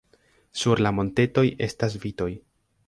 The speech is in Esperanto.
Sur la montetoj estas vitoj.